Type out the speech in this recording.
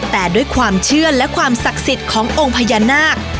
แต่ด้วยความเชื่อและความศักดิ์สิทธิ์ขององค์พญานาค